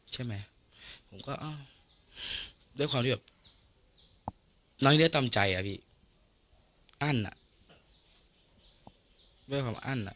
ใช่ไหมผมก็อ้าวด้วยความที่แบบน้อยเลือดตามใจอ่ะพี่อั้นอ่ะ